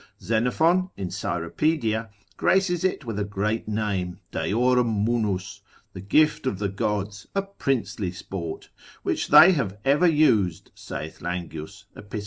Xenophon, in Cyropaed. graces it with a great name, Deorum munus, the gift of the gods, a princely sport, which they have ever used, saith Langius, epist.